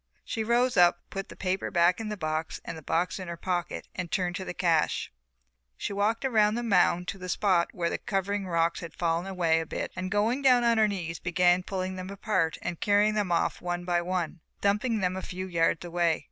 She rose up, put the paper back in the box and the box in her pocket, then she turned to the cache. She walked round the mound to a spot where the covering rocks had fallen away a bit and going down on her knees began pulling them apart and carrying them off one by one, dumping them a few yards away.